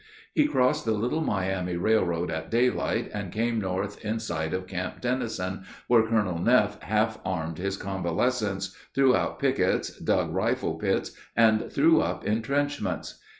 He crossed the Little Miami Railroad at daylight, and came north in sight of Camp Dennison, where Colonel Neff half armed his convalescents, threw out pickets, dug rifle pits, and threw up intrenchments.